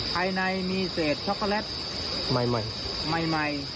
ภายในมีเศษช็อกโกแลตใหม่ใหม่